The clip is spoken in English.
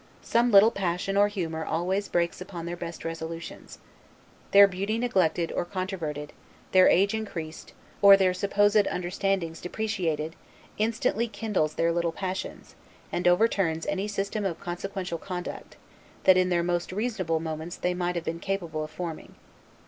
Some little passion or humor always breaks upon their best resolutions. Their beauty neglected or controverted, their age increased, or their supposed understandings depreciated, instantly kindles their little passions, and overturns any system of consequential conduct, that in their most reasonable moments they might have been capable of forming.